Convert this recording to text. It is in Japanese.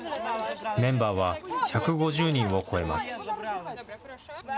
メンバーは１５０人を超えます。